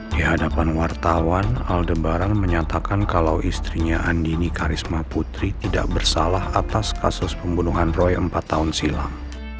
di hadapan wartawan aldebaran menyatakan kalau istrinya andini karisma putri tidak bersalah atas kasus pembunuhan roy empat tahun silam